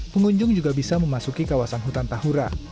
pengunjung juga bisa memasuki kawasan hutan tahura